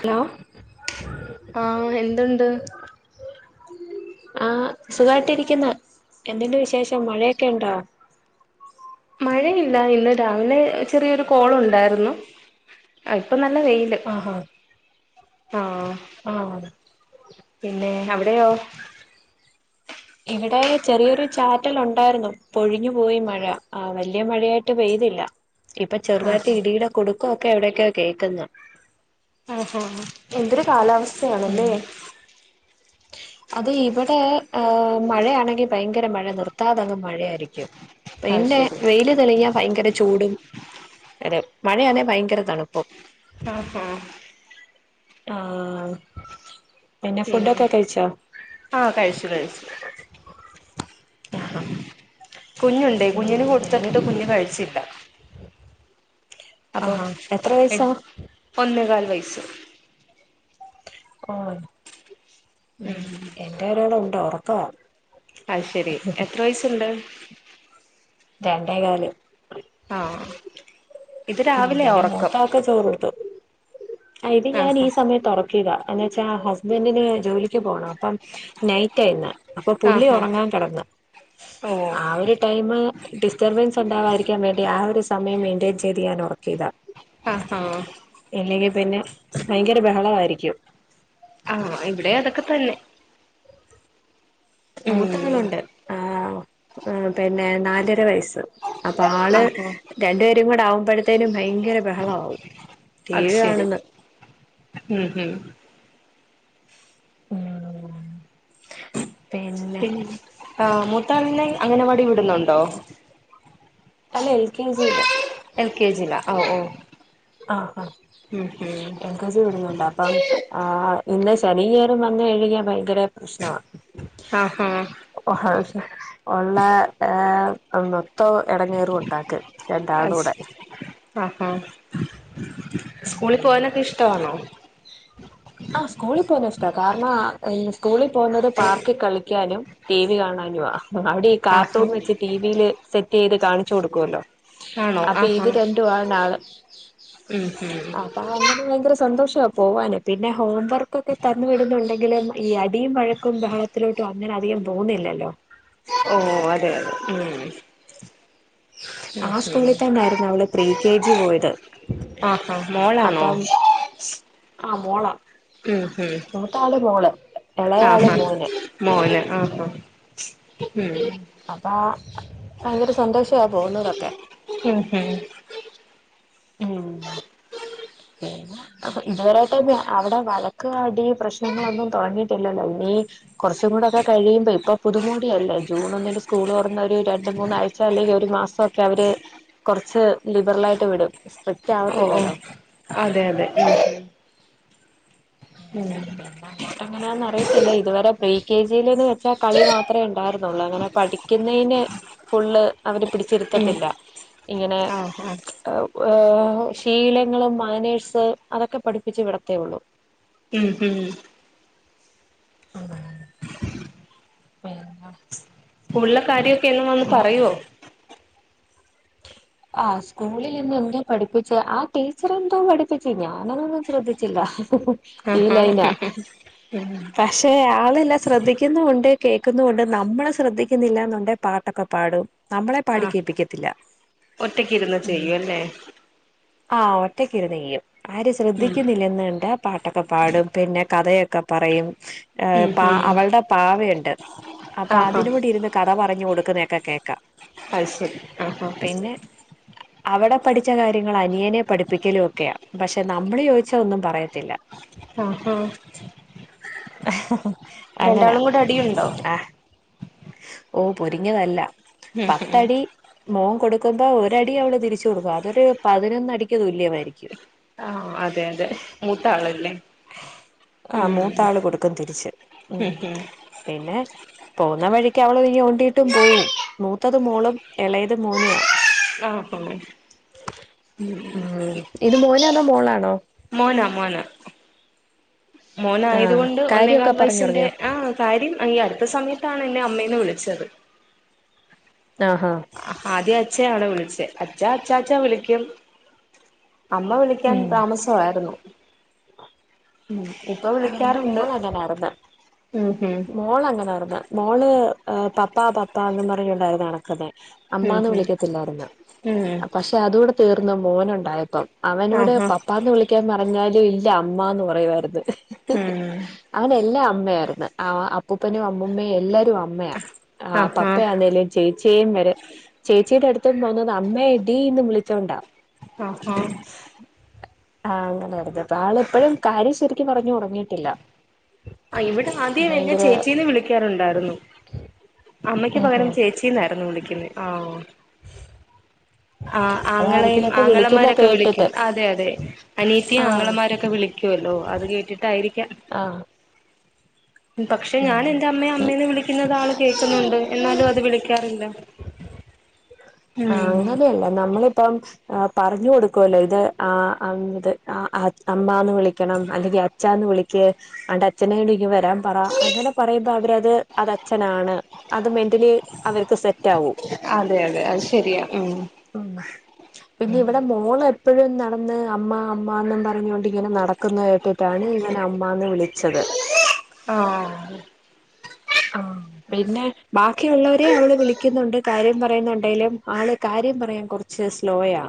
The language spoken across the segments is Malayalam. ഹലോ ആ എന്തുണ്ട് ആ സുഖായിട്ടരിക്കുന്ന എന്തിന്റെ വിശേഷം മഴയൊക്കെ ഉണ്ടോ മഴയില്ല ഇന്ന് രാവിലെ ചെറിയൊരു കോള് ഉണ്ടായിരുന്നു ഇപ്പൊ നല്ല വെയില് ആഹാ ആ ആ പിന്നെ അവിടെയോ ഇവിടെ ചെറിയൊരു ചാറ്റല ഉണ്ടായിരുന്നു പൊഴിഞ്ഞു പോയി മഴ ആ വലിയ മഴയായിട്ട് പെയ്തില്ല ഇപ്പൊ ചെറുതായിട്ട് ആഹാ ഇടീടടെ കുടുക്കോ ക്കെ എവിടക്കൊയൊ കേൾക്കുന്ന ആ എന്തൊരു കാലവസ്ഥ ഉം യാണല്ലേ? അത് ഇവിടെ ഏ മഴയാണെങ്കി ഭയങ്കര മഴ നിർത്താതങ്ങ് മഴയായിരിക്കും അത് പിന്നെ ശരി വെയില് തെളിഞ്ഞാ ഭയങ്കര ചൂടും അതെ മഴയാന്നെ ഭയങ്കര തണുപ്പും ആഹാ ആ പിന്നെ ഫുഡ്ടോക്കെ ആ കഴിച്ചു കഴിച്ചു ആ കുഞ്ഞുണ്ടേ കുഞ്ഞിന് കൊടുത്തിട്ട് കുഞ്ഞ് കഴിച്ചില്ലാ അഹാ എത്ര വയസാ വൈസ്‌ ആ ഉം എന്റെ ഒരാളുള്ളൂ ഒറക്കവാ അത് ശരി എത്ര വയസുണ്ട് രണ്ടേകാല് ആ ഉം പിന്നെ മൂത്തആക്ക് ചോറ് കൊടുത്തു ഇത് ഞാൻ ഈ ആഹാ സമയംത്തൊറക്കീതാ അന്ന് വെച്ചാ ഹസ്ബൻഡന് ജോലിക്ക് പോകണം അപ്പം നൈറ്റ് ആയിന്ന് അപ്പൊ പുള്ളി ആഹാ ഉറങ്ങാൻ കിടന്ന് ഓഹ് ആ ഒരു ടൈമ് ഡിസ്റ്റർബൻസ് ഉണ്ടാവാതിരി ക്കാൻ വേണ്ടി ആ ഒരു സമയം മെയ്ന്റെയ്ൻ ചെയ് ചെയ്തി ചെയ്യാൻ ഒറക്കീതാ ആഹ് ഹാ പിന്നെ ഭയങ്കര ബഹളായിരിക്കും ആഹ് ഇവിടെ അതൊക്കെ തന്നെ ഉം മൂത്താളുണ്ട് ആ ആ പിന്നെ നാലര വയസ് അപ്പ ആള് ആഹാ രണ്ട് പേ കൂടാകുമ്പോഴത്തേനും ഭയങ്കര ബഹളമാവും- ടി അത് വി ശരി കാണുന്ന് മ് ഹ്- [inaudible] പിന്നെ ആഹ് മുത്താൾന്നെ- അംഗനവാടി വിടുന്നൊണ്ടോ? അല്ല എൽ കെ ജില- എൽ കെ ജിയിലാ ഓ ഓ ആഹ്ഹാ ഉം ഉം എൽകെജി വിടുന്നുണ്ടോ അപ്പം- ആ ഇന്ന് ശനീഞയറും വന്ന് കഴിഞ്ഞ ഭയങ്കര പ്രശ്നവാ- ആഹ്ഹാ - ഒള്ള ആഹ് മൊത്തം എടങ്ങേറും ഒണ്ടാക്കും- അത് ശരി ആഹാ സ്കൂളിൽ പോവാനൊക്കെ ഇഷ്ടമാണോ ആ സ്കൂളിൽ പോകുന്ന ഇഷ്ടമാണ് കാരണം സ്കൂളിൽ പോകുന്നത് പാർക്കിൽ കളിക്കാനും ടി വി കാണാനും അവിടെ ഇരി- ആഹാ കാർട്ടുൺ വെച്ച് ടിവിയില് സെറ്റ്- ചെയ്ത് കാണിച്ചു കൊടുക്കുവല്ലോ ആണോ അപ്പൊ ആഹാ ഇത് രണ്ടു വാണ് ആള് ഉം ഉ ഉം [inaudible] അപ്പൊ അണ്ണന് ഭയങ്കര സന്തോഷം പോവാന് പിന്നെ ഹോം വർക്കൊക്കെ തന്നു വിടുന്നുണ്ടെങ്കിലും ഈ അടിയും വഴക്കും ബഹളത്തിലോട്ടും അങ്ങനെ അധികം പോകുന്നില്ലല്ലോ ഓ അതെ അതെ ഉം ഉം ആ ഉം സ്കൂളിൽ തന്നൊയിരുന്നു അവള് പ്രീ- കെ ജി പോയത് ആഹാ മോളാണോ അപ്പം ആ മോളാ ഉം ഉം മൂത്താള് മോള് എളയാള് ആഹാ മോന് മോന് [unintelligible] അപ്പാ ഭയങ്കര സന്തോഷാ പോകുന്നതൊക്കെ. ഉം ഉം ഉം അപ്പ ഇതുവരായിട്ട് അവിടെ വഴക്ക് അടി പ്രശ്നങ്ങളൊന്നും തോന്നിയിട്ടില്ലല്ലോ ഇനി കുറച്ചും കൂടൊക്കെ കഴിയുമ്പോ ഇപ്പൊ പുതുമോടിയല്ലേ ജൂണ് ഒന്നിന് സ്കൂള് തൊറന്ന ഒരു രണ്ട് മൂന്നാഴ്ച അല്ലെങ്കി ഒരു മാസം ഒക്കെ അവര് കൊറച്ച് ലിബറലായിട്ട് വി ഓഹ് ഓഹ് അതെയതെ ഉം ഉം പിന്നെ അങ്ങോട്ട് എങ്ങനാന്നറിയത്തില്ല ഇതുവരെ പ്രി കെ ജി ലേന്ന് വെച്ചാ കളി മാത്രേ ഉണ്ടായിരുന്നുള്ളു അങ്ങനെ പഠിക്കുന്നതിന് ഫുള്ള് അവര് ഉം പിടിച്ചിരുത്തത്തില്ല ഇങ്ങനെ ആഹ് ഏഹ് ശീലങ്ങളും മാനേഴ്സ് അതൊക്കെ പഠിപ്പിച്ച് വിടത്തേയൊള്ളൂ. ഉം ഉം ഉം പിന്ന സ്കൂളിലെ കാര്യം ക്കെ എന്നും വന്ന് പറയുവോ? ആഹ് സ്കൂളിലിന്ന് എന്തോ പഠിപ്പിച്ചേ, ആ ടീച്ചർ എന്തോ പഠിപ്പിച്ച് ഞാനതൊന്നും ശ്രദ്ധിച്ചില്ല. ഈ ആഹാ ലൈനാ പക്ഷെ ആളെല്ലാം ശ്രദ്ധിക്കുന്നകൊണ്ട് കേക്കുന്ന കൊണ്ട് നമ്മള് ശ്രദ്ധിക്കുന്നില്ലാന്നൊണ്ടെ പാട്ടൊക്കെ പാടും നമ്മളെ പാടി ആഹ് കേപ്പിക്കത്തില്ല. ഒറ്റക്കിരുന്ന് ചെയ്യും അല്ലേ? ആഹ് ഒറ്റയ്ക്ക് ഇരുന്നുചെയ്യും. ആരും ഉം ശ്രദ്ധിക്കുന്നില്ലന്ന് കണ്ടാ പാട്ടൊക്കെ പാടും പിന്നെ കഥയൊക്കെ പറയും ഹേ ഉം പാ ഉം അവൾടെ പാവയൊണ്ട് അപ്പ ആഹാ അതിനോടിര്ന്ന് കഥ പറഞ് കൊടുക് ക്ക്‌ന്നയൊക്കെ കേക്കാ അത് ശെരി. പിന്നെ അവ്ടെ പഠിച്ച കാര്യങ്ങള് അനിയനെ പഠിപ്പിക്കലും ഒക്കെയാ, പക്ഷെ നമ്മള് ചോദിച്ച ഒന്നും പറയത്തില്ല. ആഹ് ആഹ് അങ്ങനാ രണ്ടാളും കൂടെ ഉം അടിയുണ്ടോ? ആഹ് ഓ പൊരിഞ്ഞ തല്ലാ. ഉം ഉം മോമ് കൊടുക്കുമ്പോ ഒരടി അവള് തിരിച്ച് കൊടുക്കും അതൊരു പതിനൊന്നടിക്ക് തുല്യമായിരിക്കും. ആഹ് അതെ അതെ മൂത്ത ആളല്ലേ. ആ ഉം മൂത്താള് കൊടുക്കും തിരിച്ച്. ഉം പിന്നെ പോകുന്ന വഴിക്ക്‌ അവളൊന്നു ഞോണ്ടീട്ടും പോകും. മൂത്തത് മോളും ഇളയത് മോനുവാ. ആഹാ ഉം ഇത് മോനാണോ മോളാണോ മോനാ മോനാ മോനാ ആയത് ആഹ് കൊണ്ട് ഒന്നേകാൽ കാര്യൊക്കെ പറഞ്ഞു വയസിന്റെ തുടങ്ങിയോ ആ കാര്യം ഈ അടുത്ത സമയത്താണ് എന്നെ - അമ്മേന്ന് വിളിച്ചത് ആഹ് ഹാ ആ ആദ്യം അച്ചയാണ് വിളിച്ചെ അച്ച്ചാ അച്ചാ അച്ചാ വിളിക്കും അമ്മ വിളിക്കാൻ ഉം താമസ വായിരുന്നു ഉം ഇപ്പൊ അത് എന്റെ വിളിക്കാറുണ്ട് ഉം ഉം മോള് അങ്ങനാർന്ന് മോള് ന് പപ്പാ പപ്പ എന്നും പറഞ്ഞുണ്ടായി നടക്കുന്നെ ഉം അമ്മാന്ന് ഉം വിളിക്കത്തില്ലാർന്ന് ഉം പക്ഷെ അതുടെ തീർന്ന് മോനുണ്ടായപ്പം അവനോട് ആഹാ പപ്പാന്ന് വിളിക്കാൻ പറഞ്ഞാൽ ഇല്ല അമ്മന്ന് പറയുവാർന്ന് ഉം അവന് എല്ലാ അമ്മയായിര്ന്ന് അപ്പൂപ്പനും അമ്മയും എല്ലാ തുഅമ്മയാ ആഹാ പപ്പയായിരുന്നേൽ ചേച്ചിയും വരെ ചേച്ചിയുടെ അടുത്ത് പോന്നത് അമ്മ ടീന്ന് വിളിച്ചോണ്ടാ ആ ആ ആ അങ്ങനൊള്ളത് ആളെപ്പോഴും കാര്യം ശ പറഞ്ഞു ഉറങ്ങിയിട്ടില്ല ആ ഇവിടെ ദ്യയ വല്യ ചേച്ചിന്ന് വിളിക്കാറുണ്ടായിരുന്നു അമ്മയ്ക്ക് ഉം പകരം ഉം ചേച്ചിന്നായിരുന്നു വിളിക്കുന്നത് ആ ആ ആങ്ങളെയും അതാരെങ്കിലൊക്കെ വിളിക്കുന്ന ആങ്ങളമാരൊക്കെ വിളിക്കും കേട്ടിട്ട് അതെ അതെ അനീത്തിയും ആ ആങ്ങളമാരൊക്കെ വിളിക്കും രിക്കല്ലോ അത് കേട്ടിട്ടായിരിക്കാം ആ പക്ഷെ ഉം ഞാൻ എന്റെ അമ്മയും ആ അമ്മേന്ന് വിളിക്കുന്ന ആൾ കേക്കുന്നുണ്ട് എന്നാലും അത് വിളിക്കാറില്ല ആ ഉം അങ്ങനെയല്ല നമ്മളിപ്പം അ പറഞ്ഞു കൊടുക്കുവല്ലോ ഇത് അ അന്ന് അമ്മവിളിക്കണം അല്ലെങ്കിൽ അച്ഛാന്ന് വിളിക് അന്റെ അച്ഛനെ വിളി പറ അങ്ങനെ പറയുമ്പോ അവര അത് അത്ച്ഛനാണ് അത് മെന്റലി അവർക്ക് സെറ്റാവും. അതെ അതെ അത് ശരിയാ ഉം മ് പിന്നെ ഇവിടെ മോളെ ഇപ്പഴും നടന്ന് അമ്മ അമ്മാന്ന് പറഞ്ഞുകൊണ്ട് ഇങ്ങനെ നടക്കുന്നത വിട്ടിട്ടാണ് ഇവൻ അമ്മാന്ന് വിളിച്ചത് ആഹ് ആ പിന്നെ ബാക്കിയുള്ളവരെ അവള് വിളിക്കുന്നുണ്ട് കാര്യം പറയുന്നുണ്ടെങ്കിലും ആള് കാര്യം പറയാൻ കുറച്ച് സ്ലോയാ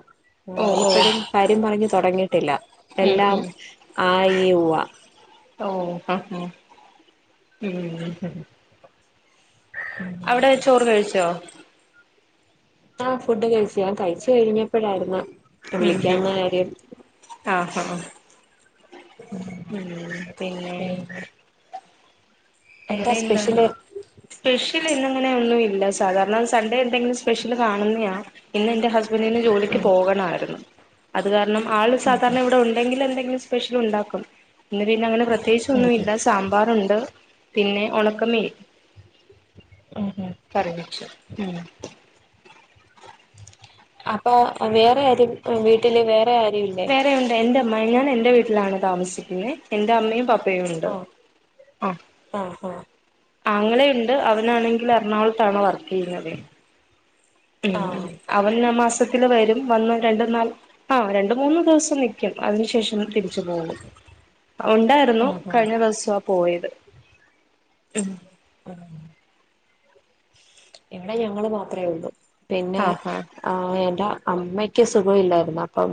ആ ഓ ഓ ഇപ്പഴും കാര്യം പറഞ്ഞു തുടങ്ങിയിട്ടില്ല ഉം എല്ലാം ഉം ആയി വാ ഓ ആ ആഹ ഉം അവിടെ ചോറ് കഴിച്ചോ ആഹ ഫുഡ് കഴിച്ച് ഞാൻ കഴിച്ച് കഴിഞ്ഞപ്പോഴായിരുന്ന് ഉം ഉം വിളിക്കാന്ന കാര്യം ആഹ് ആഹ് ഉം പിന്നെ വേറെ എന്താ സ്പെഷ്യൽ ഇന്നും അങ്ങനെ ഒന്നൂവില്ല സാധാരണ സൺഡേ എന്തെങ്കിലും സ്പെഷ്യൽ കാണുന്നയാ ഇന്ന് എൻ്റെ ഹസ് ഹസ്ബന്റിന് ജോലിക്ക് ഉം പോകണമായിരുന്നു അത് കാര കാരണം ആള് ഉം സധാരണ ഇവിടെ ഉണ്ടെങ്കിൽ എന്തെങ്കിലും സ്പെഷ്യൽ ഉണ്ടാക്കും ഇന്ന് പിന്നെ അങ്ങനെ പ്രത്യേകിച്ച ഉം ഒന്നും ഉം ഇല്ല സാമ്പാറുണ്ട് പിന്നെ ഉണക്ക മീൻ ഉം ഉം കറിവെച്ചു ഉം അപ്പൊ വേറെ വീട്ടില് വേറെ ആരും ഇല്ലേ ആ ഞാൻ എന്റെ വീട്ടിലാണ് താമസിക്കുന്നത് എന്റെ അമ്മയും പപ്പ ഉണ്ട് ആഹ് ആ ആഹ് അങ്ങനെ ഉണ്ട് അവനാണെങ്കിൽ എറണാകുളത്താണ് വർക്ക് ചെയ്യുന്നതേ ഉം ആഹ് അവൻ ഈ ദിവസത്തില് വരും വന്ന് രണ്ടു നാൾ ആ രണ്ട് മൂന്ന് ദിവസം നിൽക്കും അതിന് ശേഷം തിരിച്ചു പോകും. ഉണ്ടായിരുന്നു ആഹ് ആഹ് കഴിഞ്ഞ ദിവസം പോയത് ഉം ഉഹ് ഇവിടെ ഞങ്ങള് മാത്രേയുള്ളു പിന്നെ ആഹാ ആഹ് എന്റ അമ്മയ്ക്ക് സുഖമില്ലായിരുന്നു അപ്പം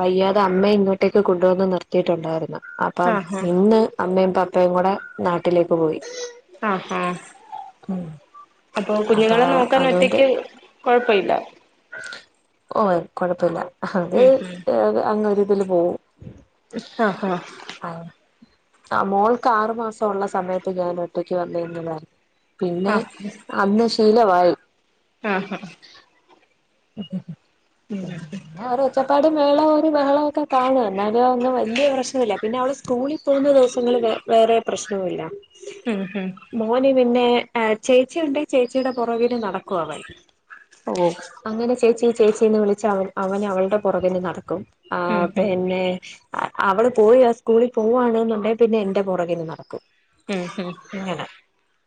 വയ്യാതെ അമ്മയെ ഇങ്ങോട്ടേക്ക് കൊണ്ടുവന്ന് നിർത്തിയിട്ടുണ്ടായിരുന്നു അപ്പം ആഹാ ഇന്ന് അമ്മയും പപ്പയും കൂടെ നാട്ട വീട്ടിലേക്ക് പോയി ആഹാ ഉം അപ്പൊ കുഞ്ഞുങ്ങളെ നോക്കാൻ അതുകൊണ്ട് ഒറ്റക്ക് കൊഴപ്പയില്ല ഓ കൊഴപ്പില്ല അത് അ അങ്ങ ഒരിതില് പോവും ആഹ് ഹഹ ആ മോൾക്ക് ആറുമാസമുള്ള സമയത്ത് ഞാൻ ഒറ്റയ്ക്ക് വന്നിന്നതാ പിന്നെ ഇന്ന് ശീലവായി ആഹ് ഹ ഉം [unintelligible] ച്ചപാടും ബഹള ബഹളൊക്കെ കാണ എന്നാ അ ഒന്നും വലിയ പ്രശ്നംമല്ല പിന്നെ അവിടെ സ്കൂളിൽ പോകുന്ന ദിവസങ്ങളിൽ വേറെ പ്രശ്നോം ഇല്ല ഹ്മ്മ് ഹ്മ്മ് പിന്നെ ചേച്ചിയ ഉണ്ടെങ്കിൽ ചേച്ചിയുടെ പുറവിന് നടക്ക ക്കും അവൻ ഓഹ് അങ്ങനെ ചേച്ചി ചേച്ചിന്ന് വിളിച്ച അവൻ അവനവൾ ടെ പുറകെ നടക്കും ആ ഉം ഉം പിന്നെ അവള് പോയി ആ സ്കൂളിൽ പോവവാണെന്നുണ്ടെൽ പിന്നെ എന്റെ പുറകേന്ന് നടക്കും ഉം ഉം എങ്ങനെ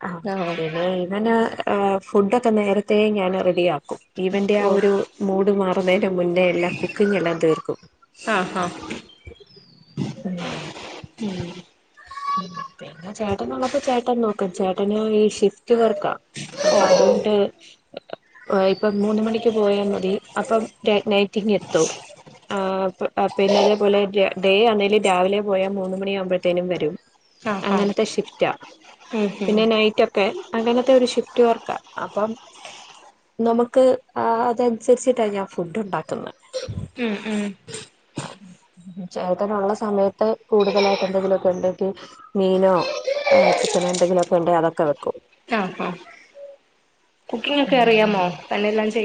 ആ ആഹ് പിന്നെ ഇവന് ആഹ് ഫുഡൊക്കെ നേരത്തേ ഞാൻ റെഡിയാക്കും ഇവന്റെ ആ ഓഹ് ഒരു മൂഡ് മാറുന്നതിന്റെ മുന്നേ എല്ലാം കുക്കിങ് എല്ലാം തീർക്കും ആഹാ ആ ഉം പിന്നെ ചേട്ടനുള്ളപ്പോ ചേട്ടൻ നോക്കും ചേട്ടന് ഈ ഷി പ്പ് വർക്കാ അപ്പൊ ഓഹ് ഓഹ് അതുകൊണ്ട് ആയി ഇപ്പ മൂന്ന് മണിക്ക് പോയാൽ മതി അപ്പം നൈ റ്റിങേത്തു ആ പിന്ന അതേപോലെ ഡേ അതേലേ രാവിലെ പോയാൽ മൂന്ന് മണിയാവുമ്പോഴത്തേനും വരും ആഹാ അങ്ങനത്തെ ഷിഫ്റ്റാ ഉം പിന്നെ ഉം നൈറ്റ് ഒക്കെ അങ്ങനത്തെ ഒരു ഷിഫ്റ്റ് വ അപ്പം നമുക്ക് അതനുസരിച്ചിട്ടാണ് ഞാൻ ഫുഡ് ഉണ്ടാക്കുന്നത് ഉം ഉം ചേട്ടനുള്ള സമയത്ത് കൂടുതലായിട്ട് എന്തെങ്കിലുമൊക്കെ ഉണ്ടെങ്കിൽ മീനോ ചിക്കനോ എന്തെങ്കിലുമൊക്കെ വെക്കും ആഹ് ആഹ്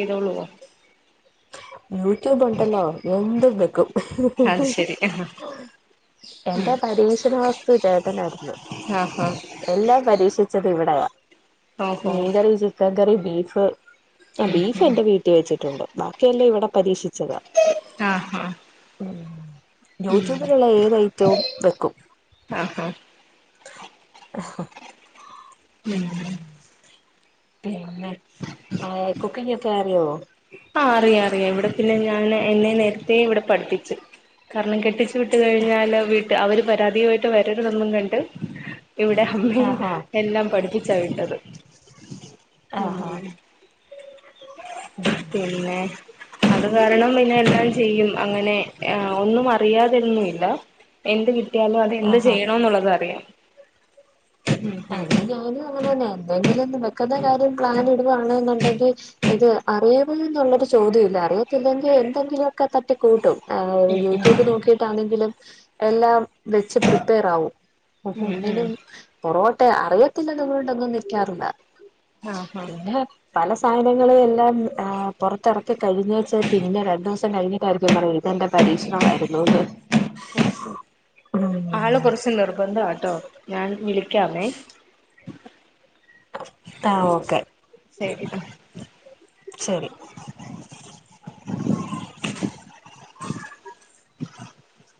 ൻ്റളുവ യറ്റൂബ് ഉണ്ടല്ലോ എന്തും പെകും അത് ശരി ആഹ് എന്റെ പരീക്ഷക സുജേട്ടനായിരുന്നു ആഹാ എല്ലാ പരീക്ഷ ഉച്ചക്ക് ഇവിടെവാ ഓഹോ മീൻ കറി ചിക്കൻ കറി ബീഫ് ആ ബീഫ് എന്റെ വീട്ടിൽ വെച്ചിട്ടുണ്ട് ബാ ഇല്ല്യ ഇവിടെ പരീക്ഷിച്ചതാ ആഹാ യൂട്യൂബിലുള്ള ഏത് ഐറ്റവും വെക്കും ആഹാ ആഹ് പിന്നെ ആ കുക്കിങ്ങൊക്കെ അറിയോ ആഹ് ആഹ് അറിയാം അറിയാം ഇവിടെ പിന്നെ ഞാൻ എന്നെ നേരത്തെ ഇവിടെ പഠിപ്പിച്ചു കാരണം കെട്ടിച്ച് വി വിട്ട് കഴിഞ്ഞാലോ വീട് അവര് പരാതിയായിട്ട് വരരുതൊന്നും കണ്ട് ഇവിടെ അമ്മ ആഹാ എല്ലാം പഠിച്ച ചെവിട്ടത് ഉം ആഹാ പിന്നെ അത് കാരണം പിന്നെ എല്ലാം ചെയ്യും അങ്ങനെ ഒന്നും പരാതിയും മില്ല എന്ത് ഗിഫ് കിട്യലും അത് എന്ത് ആഹാ ചെയ്യണം എന്നുള്ളത് അറിയില്ല അല്ലെങ്കിൽ ഓലും അങ്ങനെ തന്നെ എന്തെങ്കിലൊ മക്കളുടെ കാര്യം പ്ലാൻ ഇടുകണെന്നുണ്ടെങ്കിൽ ഇത് അറിയാവ എന്നുള്ളൊരു ചോദ്യം യില്ലായിരുന്നു അറിയത്തില്ലെങ്കിൽ എന്തെങ്കിലുമൊക്കെ തട്ടി കൂട്ടും ആ ഉം യൂട്യൂബ് നോക്കിയിട്ടാണെങ്കിലും എല്ലാം വെച്ച് പ്രിപ്പേർ ആവും ആ ഉം ഉം പെണ്ണിനും ഉം പോട്ടെ അറിയത്തില്ലളൊണ്ടൊന്നും നിൽക്കാറില്ല ആ ഹാ പല സാധനങ്ങള് എല്ലാം പുറത്തിറക്കി കഴിഞ്ഞേച്ചാ പിന്നെ രണ്ടു ദിവസം കഴിഞ്ഞിട്ടായിരിക്കും പറ ഇതെന്റെ പരീക്ഷണമായിരുന്നുന്ന് ആളെ ഉം കുറച്ച് നിർബധാട്ടോ ഞാൻ വി ണേ [unintelligible] ആഹ ഓക്കെ ശരി [unintelligible] ശരി അ [inaudible]